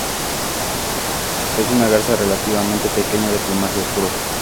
Es una garza relativamente pequeña de plumaje oscuro.